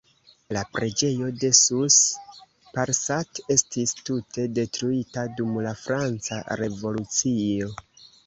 La preĝejo de Sous-Parsat estis tute detruita dum la franca revolucio.